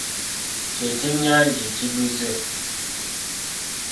Kye kyennyanja ekiduze.